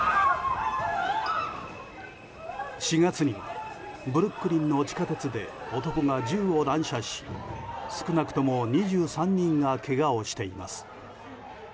４月にはブルックリンの地下鉄で男が銃を乱射し、少なくとも２３人がけがをしています。